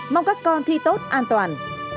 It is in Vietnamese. mong các con thi tốt an toàn